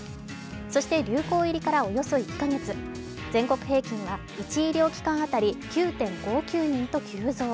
そして、流行入りからおよそ１か月全国平均は１医療機関当たり９．５９人と急増。